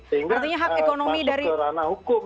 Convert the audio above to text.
sehingga masuk ke ranah hukum